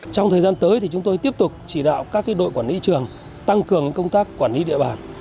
trong thời gian tới thì chúng tôi tiếp tục chỉ đạo các đội quản lý trường tăng cường công tác quản lý địa bàn